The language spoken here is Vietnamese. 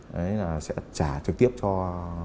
đấy là sẽ trả trực tiếp cho ba